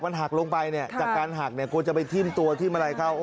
มันหักลงไปจากการหักกลัวจะไปทิ้มตัวที่มารัยเข้า